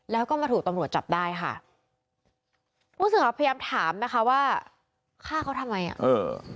แล้วก็มาถูกตำรวจจับได้ค่ะผู้สื่อข่าวพยายามถามนะคะว่าฆ่าเขาทำไมอ่ะเออ